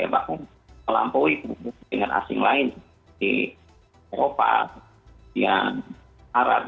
bahwa melampaui pengaruh kuliner asing lain di eropa di arab